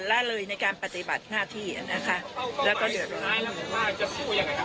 ละเลยในการปฏิบัติหน้าที่น่ะค่ะแล้วก็สุดท้ายแล้วผมว่าจะสู้ยังไงครับ